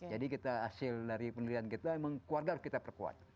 jadi kita hasil dari penelitian kita keluarga kita perkuat